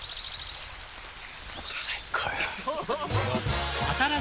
最高よ。